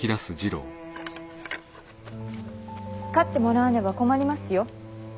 勝ってもらわねば困りますよ。